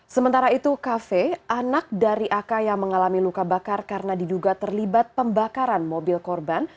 sementara itu kafe anak dari ak yang mengalami luka bakar karena diduga terlibat pembakaran mobil korban